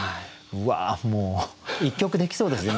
うわもう１曲できそうですよ